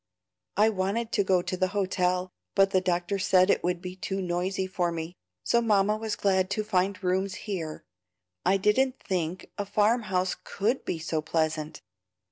"I wanted to go to the hotel, but the doctor said it would be too noisy for me, so Mamma was glad to find rooms here. I didn't think a farm house COULD be so pleasant.